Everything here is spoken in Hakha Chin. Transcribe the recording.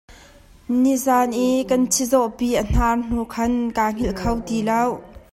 Nizaan i kan chizawhpi a hnar hnu khan kaa hngilh kho ti lo.